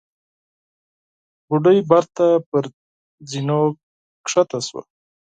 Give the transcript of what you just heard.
بوډۍ بېرته پر زينو کښته شوه.